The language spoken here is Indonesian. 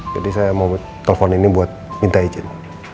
jadi saya mau telepon ini buat minta izin